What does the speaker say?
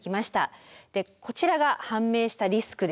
こちらが判明したリスクです。